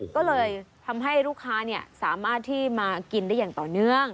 ก็เลยทำให้ลูกค้าสามารถที่มากินได้อย่างต่อเนื่อง